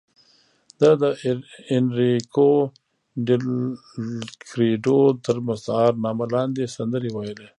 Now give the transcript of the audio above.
ده د اینریکو ډیلکریډو تر مستعار نامه لاندې سندرې ویلې.